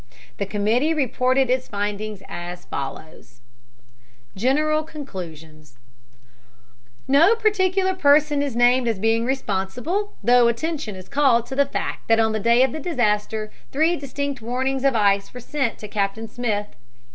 The committee reported its findings as follows: GENERAL CONCLUSIONS No particular person is named as being responsible, though attention is called to the fact that on the day of the disaster three distinct warnings of ice were sent to Captain Smith.